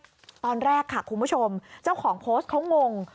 ตอนแรกค่ะคุณผู้ชมเจ้าของโพสต์เขางง